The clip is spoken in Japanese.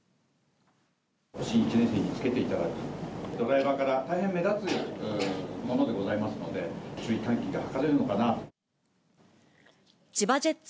新１年生につけていただく、ドライバーから大変目立つものでございますので、注意喚起が図れ千葉ジェッツ